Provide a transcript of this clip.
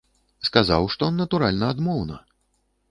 Сказаў, што, натуральна, адмоўна.